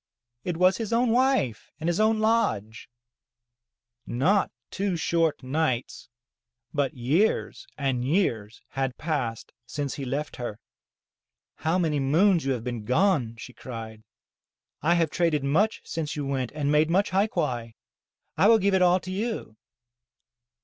it was his own wife and his own lodge! Not two 218 THROUGH FAIRY HALLS short nights, but years and years had passed since he left her. '*How many moons you have been gone!'* she cried. "I have traded much since you went and made much hai quai. I will give it all to you.'